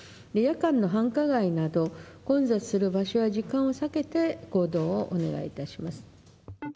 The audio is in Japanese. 夜間の繁華街など、混雑する場所や時間を避けて行動をお願いいたします。